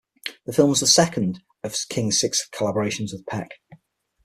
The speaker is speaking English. The film was the second of King's six collaborations with Peck.